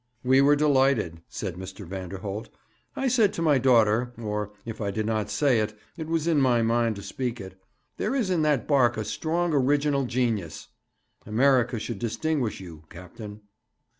'We were delighted,' said Mr. Vanderholt. 'I said to my daughter, or, if I did not say it, it was in my mind to speak it, "There is in that barque a strong original genius." America should distinguish you, captain.'